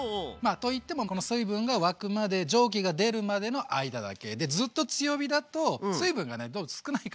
といってもこの水分が沸くまで蒸気が出るまでの間だけ。でずっと強火だと水分がね少ないから。